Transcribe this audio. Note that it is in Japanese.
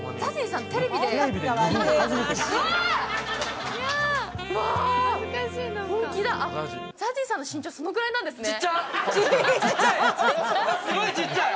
ＺＡＺＹさんの身長、そのぐらいなんですね。